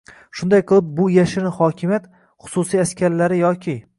Shunday qilib, bu “yashirin hokimiyat” - xususiy askarlari yoki